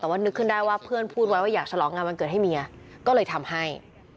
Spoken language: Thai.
แต่ว่านึกขึ้นได้ว่าเพื่อนพูดไว้ว่าอยากฉลองงานวันเกิดให้เมียก็เลยทำให้